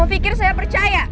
mau pikir saya percaya